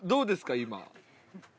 今。